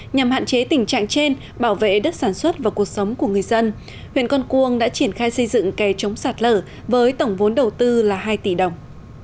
nhằm hạn chế tình trạng trên bảo vệ đất sản xuất và cuộc sống của người dân huyện con cuông đã triển khai xây dựng kè chống sạt lở với tổng vốn đầu tư là hai tỷ đồng